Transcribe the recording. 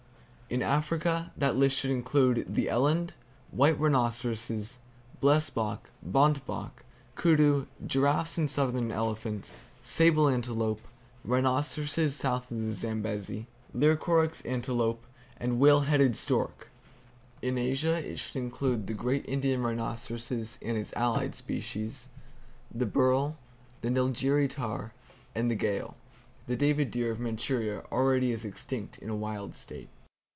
In Africa that list should include the eland, white rhinoceros, blessbok, bontebok, kudu, giraffes and southern elephants, sable antelope, rhinoceros south of the Zambesi, leucoryx antelope and whale headed stork. In Asia it should include the great Indian rhinoceros and its allied species, the burrhel, the Nilgiri tahr and the gayal. The David deer of Manchuria already is extinct in a wild state.